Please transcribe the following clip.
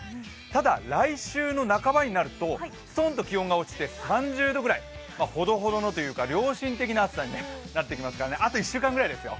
ただ、来週の半ばになるとすとんと気温が落ちて３０度くらい、ほどほどのというか良心的な暑さになってきますのであと１週間ぐらいですよ。